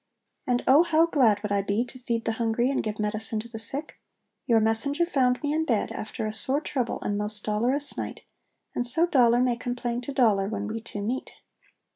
And O, how glad would I be to feed the hungry and give medicine to the sick! Your messenger found me in bed, after a sore trouble and most dolorous night, and so dolour may complain to dolour when we two meet.'